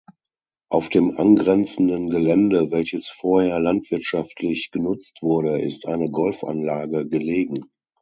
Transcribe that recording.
Auf dem angrenzenden Gelände, welches vorher landwirtschaftlich genutzt wurde, ist eine Golfanlage gelegen.